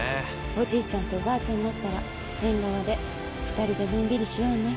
おじいちゃんとおばあちゃんになったら縁側で２人でのんびりしようね。